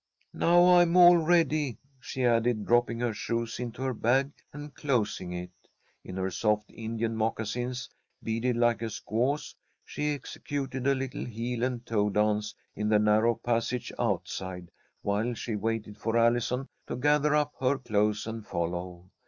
"Now I'm all ready," she added, dropping her shoes into her bag and closing it. In her soft Indian moccasins, beaded like a squaw's, she executed a little heel and toe dance in the narrow passage outside, while she waited for Allison to gather up her clothes and follow.